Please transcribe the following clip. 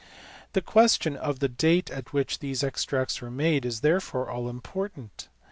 The question of the date at which these extracts were made is therefore all important.